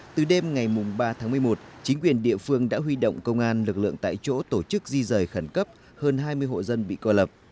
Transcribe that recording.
từ đêm ngày ba tháng một mươi một chính quyền địa phương đã huy động công an lực lượng tại chỗ tổ chức di rời khẩn cấp hơn hai mươi hộ dân bị cô lập